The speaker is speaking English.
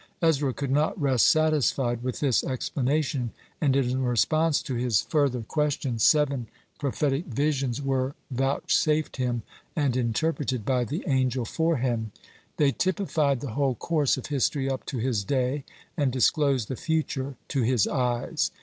Ezra could not rest satisfied with this explanation, and in response to his further question, seven prophetic visions were vouchsafed him, and interpreted by the angel for him. They typified the whole course of history up to his day, and disclosed the future to his eyes.